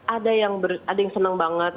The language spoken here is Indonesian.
ada yang senang banget